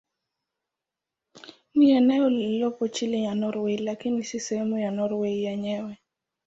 Ni eneo lililopo chini ya Norwei lakini si sehemu ya Norwei yenyewe.